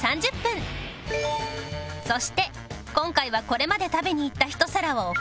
そして今回はこれまで食べに行った一皿をおかわり